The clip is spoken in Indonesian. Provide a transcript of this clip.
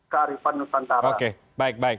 kearifan nusantara baik baik